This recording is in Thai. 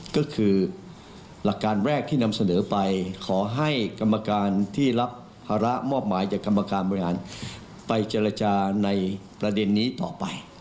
ก็คือหลักการแรกที่นำเสนอไปขอให้กรรมการที่รับภาระมอบหมายจากกรรมการบริหารไปเจรจาในประเด็นนี้ต่อไป